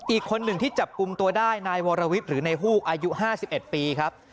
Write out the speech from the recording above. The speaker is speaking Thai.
อีกคนหนึ่งที่จับกลุ่มตัวได้นายวรวิทย์หรือในฮูกอายุ๕๑ปีครับ